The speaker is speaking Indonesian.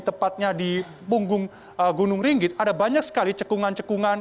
tepatnya di punggung gunung ringgit ada banyak sekali cekungan cekungan